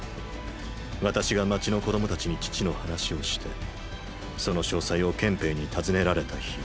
私が街の子供たちに父の話をしてその詳細を憲兵に尋ねられた日。